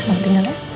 mama tinggal ya